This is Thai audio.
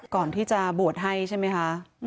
ก่อนที่จะบวชให้ใช่ไหมคะ